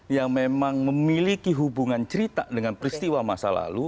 yang memang memiliki hubungan cerita dengan peristiwa masa lalu